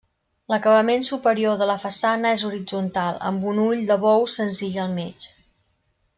L'acabament superior de la façana és horitzontal, amb un ull de bou senzill al mig.